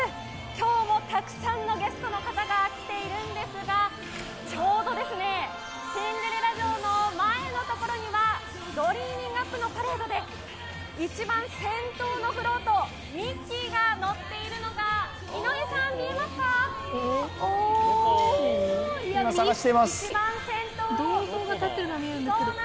今日もたくさんのゲストの方が来ているんですがちょうどシンデレラ城の前のところにはドリーミング・アップ！のパレードで一番先頭のフロート、ミッキーが乗っているのが井上さん、見えますか？